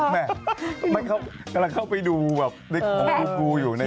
แม่มันกำลังเข้าไปดูแบบในของครูบลูอยู่นะ